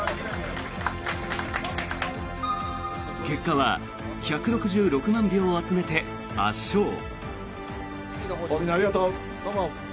結果は１６６万票を集めて圧勝。